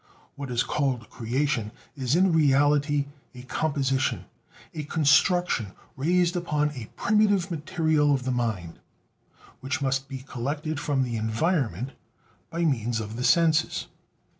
What is called creation is in reality a composition, a construction raised upon a primitive material of the mind, which must be collected from the environment by means of the senses.